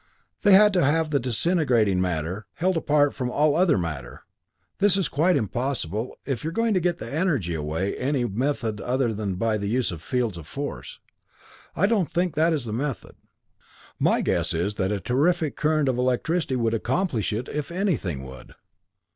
They had to have the disintegrating matter held apart from all other matter. This was quite impossible, if you are going to get the energy away by any method other than by the use of fields of force. I don't think that is the method. My guess is that a terrific current of electricity would accomplish it if anything would.